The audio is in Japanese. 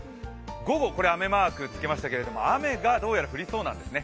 午後、雨マークつけましたけど雨がどうやら降りそうなんですね。